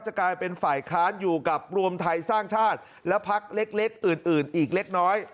กลายเป็นฝ่ายค้านอยู่กับรวมไทยสร้างชาติและพักเล็กอื่นอีกเล็กน้อย